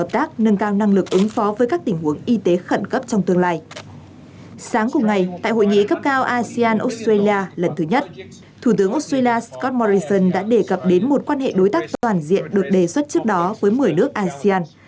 sáng cùng ngày tại hội nghị cấp cao asean australia lần thứ nhất thủ tướng australia scott morrison đã đề cập đến một quan hệ đối tác toàn diện được đề xuất trước đó với một mươi nước asean